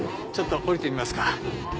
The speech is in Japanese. ちょっと降りてみますか。